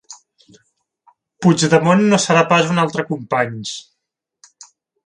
Puigdemont no serà pas un altre Companys